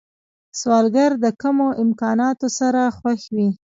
سوالګر د کمو امکاناتو سره خوښ وي